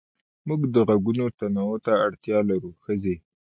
موږ د غږونو تنوع ته اړتيا لرو ښځې